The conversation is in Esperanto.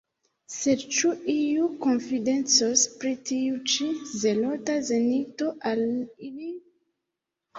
Sed ĉu iu konfidencos pri tiu ĉi zelota zenito al ili?